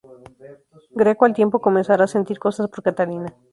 Greco al tiempo comenzará sentir cosas por Catalina.